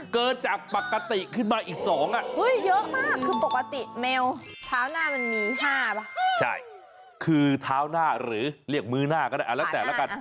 เกินจากปกติขึ้นมาอีก๒